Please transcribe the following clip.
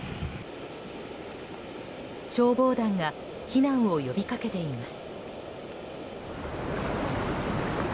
消防団が避難を呼びかけています。